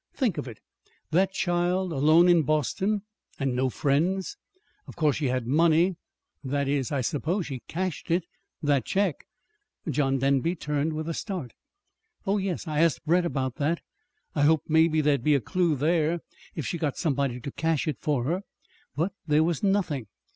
Think of it that child alone in Boston, and no friends! Of course she had money that is, I suppose she cashed it that check?" John Denby turned with a start. "Oh, yes. I asked Brett about that. I hoped maybe there'd be a clue there, if she got somebody to cash it for her. But there was nothing.